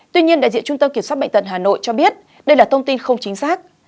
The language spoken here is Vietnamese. tuy nhiên đại diện trung tâm kiểm soát bệnh tận hà nội cho biết đây là thông tin không chính xác